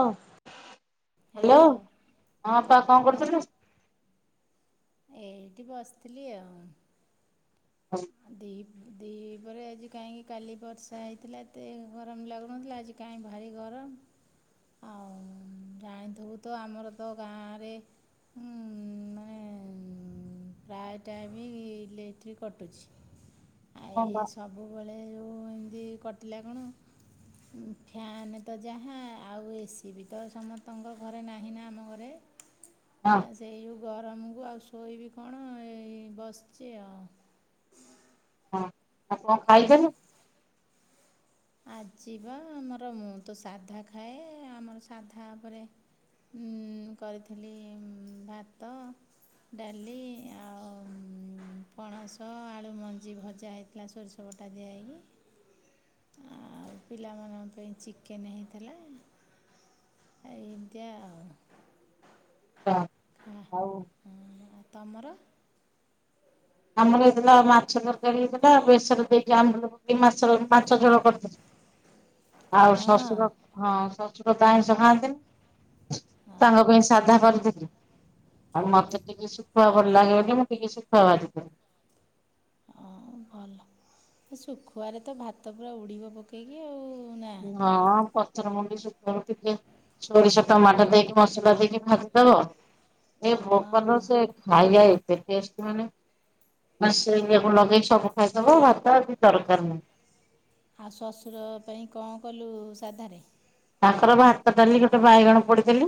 ଅ hello hello ହଁ ଅପା କଁ ହଁ କରୁଥିଲୁ? ଏଇଠି ବସିଥିଲି ଆଉ। [inaudible] ଆଁ ଦିପ୍ ଦିପହରେ ଆଜି କାହିଁକି କାଲି ବର୍ଷା ହେଇଥିଲା ଏତେ ଗରମ ଲାଗୁନଥିଲା ଆଜି କାଇଁ ଭାରି ଗରମ। ଆଉଁ ଜାଣିଥିବୁ ତ ଆମର ତ ଗାଆଁରେ ହୁଁ ପ୍ରାୟ ଟାଇମି ଲେକଟ୍ରୀ କଟୁଛି। ଆ ହଁ ବା ଇଏ ସବୁବେଳେ ଯୋଉଁ ଏମତି କଟିଲା କଣ ଉଁ ଫ୍ୟାନେ ତ ଯାହା ଆଉ ଏସି ବି ତ ସମତଙ୍କ ଘରେ ନାହିଁ ନା ଆମ ଘରେ। ଅଁ ଆଉ ସେଇ ଯୋଉ ଗରମୁକୁ ଆଉ ଶୋଇବି କଣ ଏଇ ବସିଚି ଆଉ। ହଁ ଆଉ କଁ ଖାଇଥେନୁ? ଆଜି ବା ଆମର ମୁଁ ତ ସାଧା ଖାଏ ଆମର ସାଧା ଓପେରେ ହୁଁ କରିଥିଲି ଉଁ ଭାତ ଡାଲି ଆଉଁ ପଣସ ଆଳୁ ମଞ୍ଜି ଭଜା ହେଇ କିଲା ସୋରିଷ ବଟା ଦିଆ ହେଇକି। ଆଉ ପିଲାମାନଙ୍କ ପେଇଁ ଚିକେନେ ହେଇଥେଲା। ଆ ଏମତିଆ ଆଉ। [unintelligible] ହଁ ଆଉ ହଁ ତମର। ଆମର ହେଇଥିଲା ମାଛ ତରକାରୀ ହେଇଥିଲା ବେସରେ ଦେଇକି ଆମ୍ବୁଲ ପ କେଇ ମାଛ ଝୋ ମାଛ ଝୋଳ କର [inaudible] ଆଉ ହଁ ଶଶୁର ହଁ ଶଶୁର ତ ଆଇଁଷ ଖାଆନ୍ତିନି। ହଁ ତାଙ୍କ ପେଇଁ ସାଧା କରିଥିଲି ଆଉ ମତେ ଟିକେ ଶୁଖୁଆ ଭଲ ଲାଗେ ବୋଲି ମୁଁ ଟିକେ ଶୁଖୁଆ ଭାଜିଥିଲି। ହଁ ଭଲ ତ ସେ ଶୁଖୁଆରେ ତ ଭାତ ପୁରା ଉଡିବ ପ କେଇକି ଆଉ ନା ହଁ ପଥରମୁଣ୍ଡି ଶୁ [unintelligible] ସୋରିଷ ଟମାଟୋ ଦେଇକି ମସଲା ଦେଇକି ଭାଜିଦବ। ଏ ହଁ ବୋପା ଲୋ ସେ ଖାଇଯାଏ। ଏ ଟେଷ୍ଟ ମାନେ ନା ସେଇଆକୁ ଲଗେଇ ସବୁ ଖାଇଦବ ଭାତ ଆଉ କିଛି ଦରକାର ନାହିଁ। ଆଉ ଶ୍ୱଶୁର ପାଇଁ କଁ କଲୁ ସାଧାରେ? ତାଙ୍କର ଭାତ ଡାଲି ଗୋଟେ ବାଇଗଣ ପୋଡିଦେଲି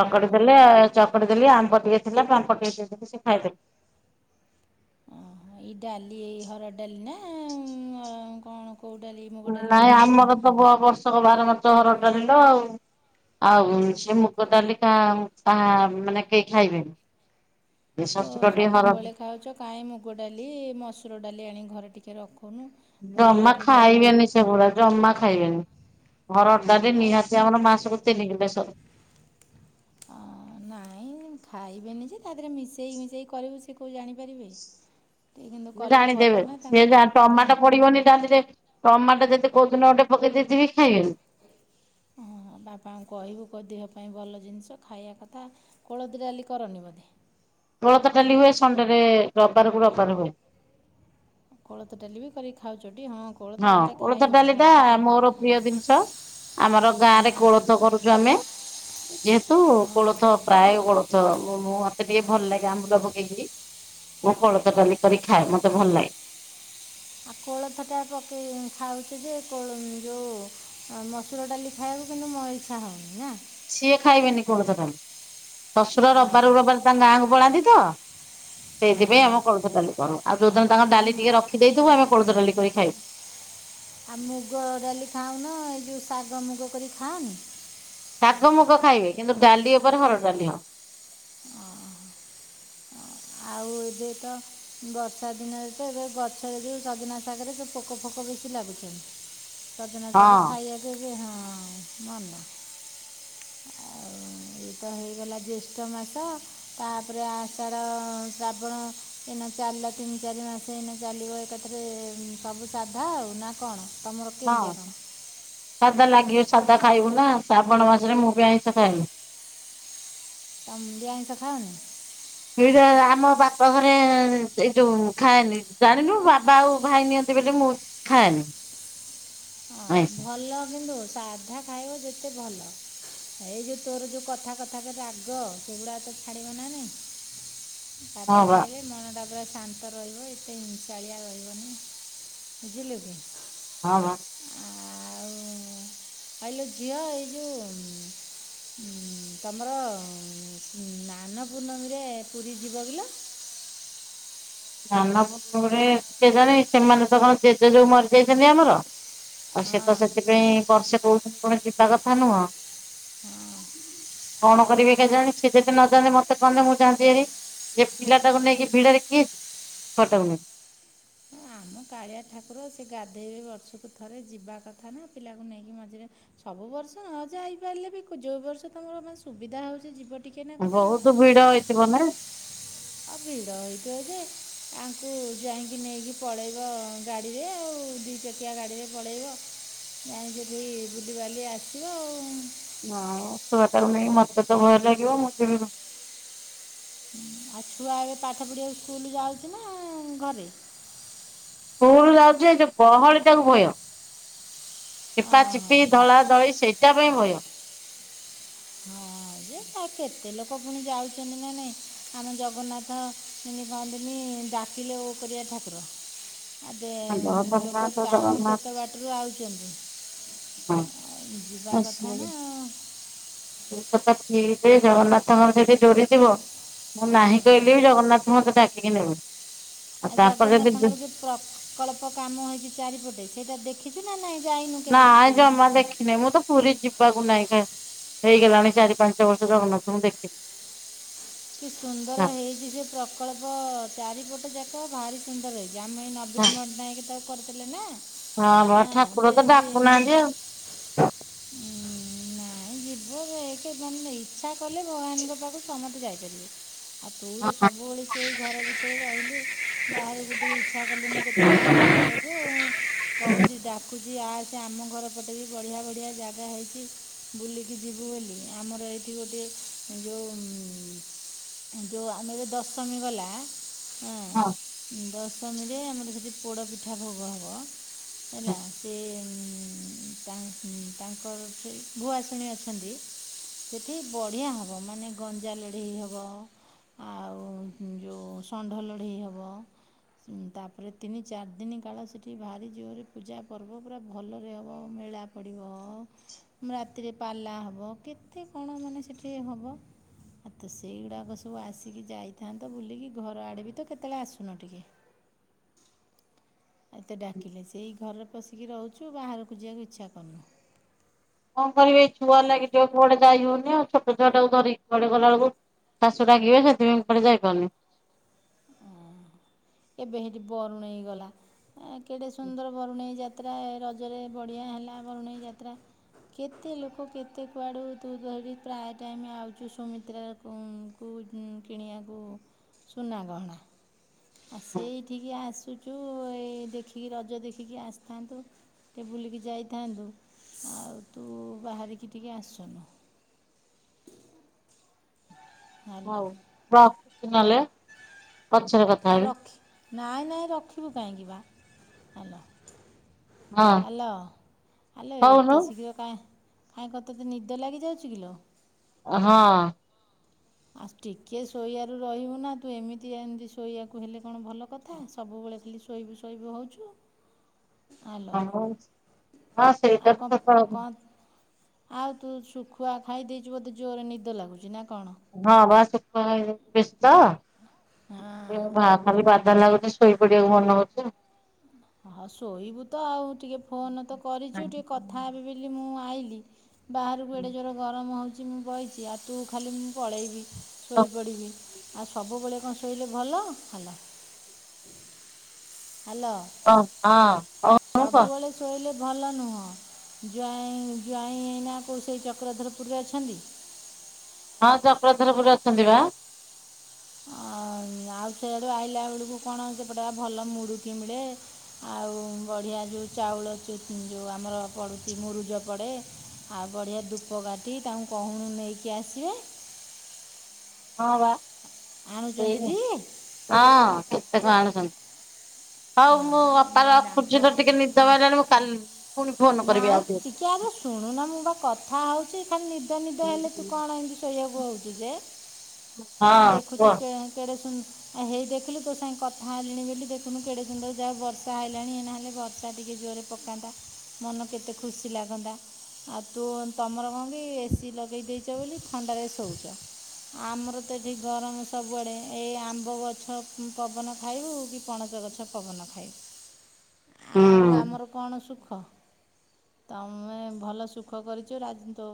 ହୁଁ ଦେଲେ ଚ ଚକଡିଦେଲି ଆମ୍ବ ଟିକେ ଥିଲା ପାମ୍ପଡ ଟିକେ ଦେଇଦେଲି ସେ ଖାଇଦେଲ ଓହ ଏଇ ଡାଲି ଏଇ ହରଡ଼ ଡାଲି ନା ଉଁ କଣ? କଉ ଡାଲି। ମୁଗ ଡାଲି ନାଇଁ ବୋଲି ଖାଉଛୁ ଆମର ତ ବର୍ଷକ ବ ବାର ମାଛ ହରଡ଼ ଡାଲି ଲୋ ଆଉ। ଆଉ ସେ ମୁଗ ଡାଲିି କା କାହା ମାନେ କେହି ଖାଇବେନି। ଏ ତ ଶଶୁର ଟିକେ ହର ସବୁବେଳେ ଖାଉଛ କାହିଁ ମୁଗ ଡାଲି ମସୁର ଡାଲି ଆଣିିକ ଘରେ ଟିକେ ରଖୁନୁ। ମୁଗ ଜମା ଡାଲିଟା ଭଲ ଖାଇବେନି ସେ ଗୁରା ଜମା ଖାଇବେନି। ହରଡ଼ ଡାଲି ଆଉ ନିହାତି ଆମର ମାସକୁ ତିନି କିଲେ ସ ଅ ନାଇଁ ଖାଇବେନି ଯେ ତା ଦେହରେ ମିଶେଇ ମିଶେଇ କରିବୁ ସେ କଉ ଜାଣିପାରିବେ। ଟିକେ କିନ୍ତୁ କଲେ ଭଲ ଜାଣିଦେବେ ନା ତାଙ୍କ ସେ ଦେହ ଯା ଟମାଟୋ ଜାଣି ପଡିବନି ତା ଧେରେ ଟମାଟୋ ଯଦି କଉଦିନ ଗୋଟେ ପକେଇ ଦେଇଥିବି ଖାଇବେନି। ହଁ ବାପାଙ୍କୁ କହିବୁ କ ଦେହ ପାଇଁ ଭଲ ଜିନିଷ ଖାଇବା କଥା। କୋଳଥ ଡାଲି କରନି ବୋଧେ। କୋଳଥ ଡାଲି ହୁଏ ସଣ୍ଡେରେ ରବିବାରକୁ ରବିବାର ହୁଏ। କୋଳଥ ଡାଲି ବି କରିକି ଖାଉଛ ଟି ହଁ। କୋଳଥ ହଁ ଡାଲିଟା କୋଳଥ ଖାଇବ ତାଲି ଟା ଆଜିକାଲି ମୋର ହଁ ପ୍ରିୟ ଜିନିଷ। ଆମର ଗାଁରେ ହଁ କୋଳଥ କରୁଚୁ ଆମେ ଯେହେତୁ ହଁ କୋଳଥ। ପ୍ରାୟେ କୋଳଥ ମୁଁ ମୁଁ ମତେ ଟିକେ ଭଲ ଲାଗେ ଆମ୍ବୁଲ ପକେଇକିରି। ମୁଁ କୋଳଥ ଡାଲି କରି ଖାଏ ମତେ ଭଲ ଲାଗେ। ଆଉ କୋଳଥଟା ପକେଇ ଖାଉଚୁ ଯେ କୋଳ ଯଉ ଆ ମ ମସୁର ଡାଲି ଖାଇବାକୁ କିନ୍ତୁ ମ ଇଚ୍ଛା ହଉନି ନା। ସିଏ ଖାଇବେନି କୋଳଥ ଡାଲି ଶଶୁର ରବବାର କୁ ରବବାର ତାଙ୍କ ଗାଁକୁ ପଳାନ୍ତି ତ ହଁ ସେଇଥିପାଇଁ ଆମ କଳୋଥ ଡାଲି କରୁ ଆଉ ଯୋଉଦିନ ତାଙ୍କ ଡାଲି ଆଉ ଟିକେ ର ରଖି ଦେଇଥିବୁ ଆମେ କୋଳଥ ଡାଲି କରି ଖାଈବୁ। ଆଉ ମୁଗ ଡାଲି ଖାଉନ ଏ ଯଉ ଶାଗ ମୁଗ କରି ଖାଅନି। ଶାଗ ମୁଗ ଖାଇବେ କିନ୍ତୁ ଡାଲି ଉପରେ ହରଡ଼ ଡାଲି ହବ। ଓ ହ ଅ ଆଉ ଏବେ ତ ବର୍ଷା ଦିନରେ ତ ଏବେ ଗଛରେ ଯଉ ସଜନା। ଶାଗରେ ସେ ପୋକ ଫୋକ ବେଶି ଲାଗୁଚନ୍ତି ସଜନା ଶାଗ ହଁ ଖାଇ ହଁ ମନ। ଆଉ ଏଇ ତ ହେଗଲା ଜିୟଷ୍ଟ ମାସ ତାପରେ ଆଷାଢ। ହଁ ଶ୍ରାବଣ ଏଇନା ଚାଲିଲା ତିନି ଚାରି ମାସ ଏଇନା ଚାଲିବ ଏକାଥରେ ସବୁ ସାଧା ଆଉ ନା କଣ ତମର ହଁ କେମିତିଆ କ'ଣ ସାଧା ଲାଗିବ ସାଧା ଖାଇବୁ ନା ଶ୍ରାବଣ ମାସରେ ମୁଁ ବି ଆଇଁଷ ଖାଏନି। ତମ ବି ଆଇଁଷ ଖାଅନି। ଏଇଟା ଆମ ବାପା ଘରେ ଏଇ ଯୋଉ ଖାଏନି ଜାଣିନୁ ବାବା ଆଉ ଭାଇ ନିଅନ୍ତି ବୋଲି ମୁଁ ଖାଏନି। ହଁ ଆଇଁଷ ଭଲ କିନ୍ତୁ ସାଧା ଖାଇବ ଯେତେ ଭଲ। ଏଇ ଯୋଉ ତୋର ଯୋଉ କଥା କଥା କେ ରାଗ ସେଗୁଡା ତ ଛାଡ଼ିବ ନା ନାଇଁ। ହଁ ସାଧା ବା ଖାଇଲେ ମନଟା ପୁରା ଶାନ୍ତ ରହିବ ଏତେ ହିଂସାଳିଆ ରହିବନି ବୁଝିଲୁ କି। ହଁ ଭ ଆଉ ଆଇଲୋ ଝିଅ ଏଇ ଯଉ ଉଁ ତମର ଉଁ ନାନ ପୂର୍ଣ୍ଣମୀରେ ପୁରୀ ଯିବ ବେଲେ ମନ ପୂର୍ଣିମାରେ କେଜାଣି ସେମାନଙ୍କର ଜେଜେ ଯୋଉ ମରିଯାଇଚନ୍ତି ଆମର ଆଉ ସେ ତ ହଁ ସେଥିପାଇଁ ବର୍ଷେ କହୁଚନ୍ତି କଣ ଯିବା କଥା ନୁହଁ କଣ କରିବେ କେ ଳଜାଣି ସିଏ ଯେଦି ନ ଯାନ୍ତି ମତେ କହନ୍ତେ ମୁଁ ଯାନ୍ତି ହେରି। ଏ ପିଲା ଟାକୁ ନେଇକି ଭିଡରେ କିଏ ଯିବ। ସଟଉନି। ହଁ ଆମ କାଳିଆ ଠାକୁର ସେ ଗାଧୋଇବେ ବର୍ଷକୁ ଥରେ ଯିବା କଥା ନା ପିଲାକୁ ନେଇକି ମଝିରେ ସବୁ ବର୍ଷ ନ ଯାଇ ପାରିଲେ ବି ଯୋଉ ବର୍ଷ ତମର ମାନେ ସୁବିଧା ହଉଛି ଯିବ। ଟିକେ ନାକୁ ନା ଆଉ ବହୁତୁ ଭିଡ ହେଇଥିବ ନା। ଆ ଭିଡ଼ ହେଇଥିବ ଯେ ଆଙ୍କୁ ଜ୍ବାଇଁଙ୍କି ନେଇକି ପଳେଇବ ଗାଡ଼ିରେ ଆଉ ଦି ଚକିଆ ଗାଡ଼ିରେ ପଳେଇବ। ଯାଇଁ ସେଠି ବୁଲିିବାଲି ଆସିବ ଆଉ। ନାଁ ଛୁଆଟାକୁ ନେଇ ମତେ ତ ଭୟ ଲାଗିବ ମୁଁ ଯିବି କଁ। ଉଁ ଆଉ ଛୁଆ ଏବେ ପାଠ ପଢ଼ିଆକୁ ସ୍କୁଲୁ ଯାଉଚି ନା ଘରେ। କୁଲୁ ଯାଉଚି ଏ ଯୋଉ ଗହଳି ତାକୁ ଭୟ। ଚିପା ଚିପି ଧଳା ଧଳି ସେଇଟା ପାଇଁ ଭୟ। ହଁ ଯେ ତା କେତେ ଲୋକ ପୁଣି ଯାଉଛନ୍ତି ନା ନାଇଁ ଆମେ ଜଗନ୍ନା ଥ [unintelligible] ନ୍ତିନି ଡାକିଲେ ଓ କରିଆ ଠାକୁର। ହ ଆ ଦେ ଉଁ ଲୋକ କାହୁଁ କେତେ ବାଟରୁ ଆଉଚନ୍ତି। ହଁ ଆ କଥା ସରି। ନା ଆଉ ଏ କଥା ଠି ଯେ ଜଗନ୍ନାଥଙ୍କର ଯେଦି ଡୋରିଥିବ ମୁଁ ନାହିଁ କହିଲି ବି ଜଗନ୍ନାଥ ମୋତେ ଡାକିକି ନେବେ। ଆଉ ଆ ତାଙ୍କର ଯଦି ଜଗନ୍ନାଥଙ୍କର ଯୋ ପ୍ରକଳ୍ପ କାମ ହେଇଚି ଚାରିପଟେ ସେଇଟା ଦେ ଖିଚୁ ନା ନାଇଁ ଯାଇନୁ କେବେଠୁ ପୁରୀ? ନା ଦେଖିନି ମୁଁ ତ ପୁରୀ ଯିବାକୁ ନାଇଁ କାଁ ହେଇଗଲାଣି ଚାରି ପାଞ୍ଚ ବର୍ଷ ଜଗନ୍ନାଥଙ୍କୁ ଦେଖି [unintelligible] କି ସୁନ୍ଦର ହେଇଚି ସେ ପ୍ରକଳ୍ପ ଚାରିପଟ ଯାକ ଭାରି ସୁନ୍ଦର ହେଇଚି ଆମେ ନବୀନ ପଟ୍ଟନାୟକ ତାକୁ କରିଥିଲେ ନା। ବା ହଁ ଠାକୁର [unintelligible] ତ ଉଁ -ଉଁ ଡାକୁନାହାନ୍ତି ନା ନାଇଁ ଯିବୁ ଦେଖେ ମାନେ ଇଚ୍ଛା କଲେ ଭଗବାନଙ୍କ ପାଖକୁ ସମସ୍ତେ ଯାଇପାରିବେ। ଆଉ ତୁ ତ ଆଉ ସବୁବେଳେ ସେଇ ଘର ଭିତରେ ରହିଲୁ ବାହାରକୁ ଟିକେ ଇଚ୍ଛା କଲୁନୁ କେ ତେରେ ବୁଲିଆକୁ ଯିଆ [inaudible] କହୁଚି ଡାକୁଚି ଆସେ ଆମ ଘର ପଟେ ବି ବଢିଆ ବଢିଆ ଜାଗା ହେଇଚି। ବୁଲିକି ଯିବୁ ବୋଲି ଆମର ଏଇଠି ଗୋଟିଏ ଯୋଉଁ ଉଁ-ଉଁ-ଉଁ ଯୋଉ ଆମେ ଏବେ ଦଶମୀ ଗଲା ଏଁ ହଁ ଦଶମୀରେ ଆମର ସେଠି ପୋଡ଼ପିଠା ଭୋଗ ହବ। ହଁ। ହେଲା ସେ ଉଁ- ଉଁ- ଉଁ ତାଙ୍କର ସେଇ ଭୁଆଶୁଣୀ ଅଛନ୍ତି ସେଠି ବଢିଆ ହବ ମାନେ ଗଞ୍ଜା ଲ ଢ଼େଇ ହବ ଆଉ ଯୋଉଁ ଷଣ୍ଢ ଲଢ଼େଇ ହବ ଉଁ ତାପରେ ତିନି ଚାରି ଦିନି କାଳ ସେଠି ଭରି ଜୋରେ ପୂଜା ପର୍ବ ପୁରା ଭଲରେ ହବ ମେଳା ପଡ଼ିବ ରାତିରେ ପାଲା ହବ କେତେ କଣ ମାନେ ସେଠି ହବ। ଆ ତ ସେଇଗୁଡ଼ାକ ସବୁ ଆସିକି ଯାଇଥାନ୍ତ ବୁଲିକି ଘର ଆଡ଼େ ତ କେତେଳେ ଆସୁନ ଟିକେ। ଏତେ ଡାକିଲେ। ସେଇ ଘରେ ପଶିକି ରହୁଚୁ ବାହାରକୁ ଯିବାକୁ ଇଚ୍ଛା କରୁନୁ। କଣ କରିବି, ଏଇ ଛୁଆ ଲାଗି ଟିକେ କୁଆଡେ ଯାଇ ହଉନି ଆଉ ଛୋଟ ଛୁଆଟାକୁ ଧରିିକି କୁଆଡ଼େ ଗଲା ବେଳକୁ ଶାଶୁ ରାଗିବେ ସେଥିପାଇଁ କୁଆଡ଼େ ଯାଇପାରୁନି। [unintelligible] ଏବେ ହେଇଠି ବରୁଣେଇ ଗଲା। ଏଁ କେଡ଼େ ସୁନ୍ଦର ବରୁଣେଇ ଯାତ୍ରା, ରଜରେ ବଢ଼ିଆ ହେଲା ବରୁଣେଇ ଯାତ୍ରା। କେତେ ଲୋକ କେତେ କୁଆଡ଼ୁ ତୁ ତ ହେଇଟି ପ୍ରାୟ ଟାଇମ୍ ଆଉଚୁ ସୁମିତ୍ରା କୁ କୁ କିଣିବାକୁ ସୁନାଗହଣା। ଆଉ ସେଇଠିକି ଆସୁ ଚୁ-ଉ-ଉ ଏଇ ଦେଖିକି ରଜ ଦେଖିକି ଆସିଥାନ୍ତୁ। ଟିକେ ବୁଲିକି ଯାଇଥାନ୍ତୁ। ଆଉ ତୁ ବାହାରିକି ଟିକେ ଆସୁନୁ। ହ୍ୟାଲୋ ହଉ [inaudible] ନହେଲେ। ପଛରେ କଥା ଆ ହେବି ରଖ୍, ନାଇଁ ନାଇଁ ରଖିବୁ କାହିଁକି ବା? ହ୍ୟାଲୋ। ହଁ ହ୍ୟାଲୋ, ହ୍ୟାଲୋ ହଉନୁ ଏତେ ଶୀଘ୍ର କାଇଁ ହାଁ କଣ ତତେ ନିଦ ଲାଗିଯାଉଛି କିଲୋ? ହଁ। ଆଉ ଟିକିଏ ଶୋଇବାରୁ ରହିବୁ ନା, ତୁ ଏମିତି ଏମିତି ଶୋଇବାକୁ ହେଲେ କଣ ଭଲ କଥା, ସବୁବେଳେ ଖାଲି ଶୋଇବୁ ଶୋଇବୁ ହଉଚୁ। ହଁ ଆଉ ସେଇଟା ତ କ'ଣ ସତ କଥା। କ'ଣ ଆଉ ତୁ ଶୁଖୁଆ ଖାଇ ଦେଇଛୁ ବୋଧେ ଜୋରରେ ନିଦ ଲାଗୁଛି ନା କଣ? ହଁ ବା ଶୁଖୁଆ ଖାଇ [inaudible] ତ ହଁ [inaudible] ଖାଲି ବାଧା ଲାଗୁଛି, ଶୋଇ ପଡିବାକୁ ମନ ହଉଛି ଆଉ। ହଁ ଶୋଇବୁ ତ ଆଉ ଟିକେ ଫୋନ୍ ତ କରିଛୁ ଟିକେ କଥା ହେବି ବି ଲି ମୁଁ ଆଇଲି ବାହାରକୁ ଏଡ଼େ ଜୋର ଗରମ ହଉଛି, ମୁଁ ବଇଛି ଆ ତୁ ଖାଲି ମୁଁ ପଳେଇବି। ଶୋଇପଡ଼ିବି, ଆଉ ସବୁବେଳେ କଣ ଶୋଇଲେ ଭଲ? ହ୍ୟାଲୋ। ହ୍ୟାଲୋ? ଓ ହଁଅ ଓ। ସବୁବେଳେ ଶୋଇଲେ ଭଲ ନୁହଁ, ଜ୍ୱାଇଁ ଜ୍ବାଇଁ ଏଇନା କୋଉ ସେଇ ଚକ୍ରଧରପୁରରେ ଅଛନ୍ତି? ହଁ, ଚକ୍ରଧରପୁରେ ଅଛନ୍ତି ବା। ଆଉ ଆଉ ସେଆଡ଼ୁ ଆଇଲା ବେଳକୁ କଣ ସେପଟେ ପା ଭଲ ମୁଡୁକି ମିଳେ? ଆଉ ବଢ଼ିଆ ଯୋଉ ଚାଉଳ ଚୁ ଯୋଉ ଆମର ପଡ଼ୁଛି ମୁରୁଜ ପଡ଼େ। ଆଉ ବଢ଼ିଆ ଧୂପକାଠି, ତାଙ୍କୁ କହୁନୁ ନେଇକି ଆସିବେ। ହଁ ବା। ସେଇ ଆଣୁଛନ୍ତି କି? ହଁ, କେତେ କଣ ଆଣୁଛନ୍ତି। ହଉ ମୁଁ ଅପା ତାଙ୍କ ରଖୁଛି ମତେ ଟିକେ ନିଦ ମାଡ଼ିଲାଣି ମୁଁ କାଲ୍ ନାଇଁ ଟିକେ ଆଉ ଶୁଣୁନ ମୁଁ ବା କଥା ହଉଛି ଖାଲି ନିଦ ନିଦ ହେଲେ ତୁ କଣ ଏମିତି ଶୋଇବାକୁ ହଉଛୁ ଯେ, ମୁଁ ହଁ ଦେଖୁଛି କୁହ କେ କେଡ଼େ ସୁନ୍ ହେଇ ଦେଖିଲୁ ତୋ ସାଙ୍ଗେ କଥା ହେଲିଣି ବୋଲି ଦେଖୁନୁ କେଡେ ସୁନ୍ଦର ଯା ବର୍ଷା ଆଇଲାଣି ଏଇନେ ହେଲେ ବର୍ଷା ଟିକେ ଜୋରରେ ପକାନ୍ତା। ମନ କେତେ ଖୁସି ଲାଗନ୍ତା, ଆଉ ତୁ ତମର କଣ କି ଏସି ଲଗେଇ ଦେଇ ଛ ବୋଲି ଥଣ୍ଡାରେ ଶୋଉଛ। ଆମର ତ ଏଠି ଗରମ ସବୁଆଡେ। ଏଇ ଆମ୍ବ ଗଛ ପବନ ଖାଇବୁ କି ପଣସ ଗଛ୍ ଗଛ ପବନ ଖାଇବୁ। ଆଉ ହୁଁ। ଆମର କଣ ସୁଖ? ତମେ ଭଲ ସୁଖ କରିଛ ରାଜନ ତୁ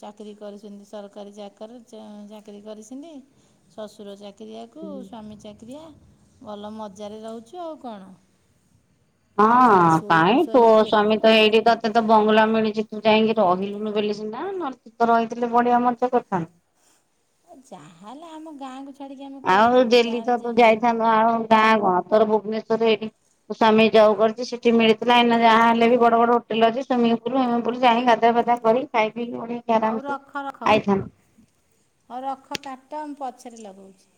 ଚାକିରୀ କରିଛନ୍ତି ସରକାରୀ ଚାକର। ସେ ଚାକିରୀ କରିସନ୍ତି, ଶ୍ୱଶୁର ଚାକି ଚାକିରିଆକୁ ସ୍ୱାମୀ ଚାକିରିଆ ଭଲ ମଜାରେ ରହୁଛୁ ଆଉ କଣ। ହଁ ଆଉ ଖାଲି ଶୋଇବୁ କାଇଁ ତୋ ଶୋଇବୁ ଯେ ସ୍ୱାମୀ ତ ଏଇଠି ତତେ ତ ବଙ୍ଗଲା ମିଳିଛି ତୁ ଯାଇକି ରହିଲୁନୁ ବୋଲି ସିନା, ନ ତୁ ତ ରହିଥିଲେ ବଢିଆ ମଜା କରିଥାନ୍ତୁ। ଯାହା ହେଲେ ଆମ ଗାଁକୁ ଛାଡ଼ିକି ଆମେ କୁଆଡେ ଆଉ ଯିବୁ ଡେଲି ତ ଗାଁରେ ତୁ ଯେନ୍ତି ଯାଇଥାନ୍ତୁ ଆଉ ଗାଁ କଣ ତୋର ଭୁବନେଶ୍ଵରରେ ଏଇଠି ସ୍ୱାମୀ ଜବ କରୁଛି ସେଠି ମିଳିଥିଲା ଏଇନା ଯାହା ହେଲେ ବି ବଡ ବଡ ହୋଟେଲ ଅଛି ସୁଇମିଙ୍ଗ ପୁଲ ଉଇମିଂ ପୁଲ୍ ଜାଇକି ଗାଧୁଆପାଧୁଆ କରିକି ଖାଇ ପିଇକି ପୁଣି ହଉ ରଖ ରଖ। ହଉ ରଖ କାଟ ମୁଁ ପଛରେ ଲଗଉଛି।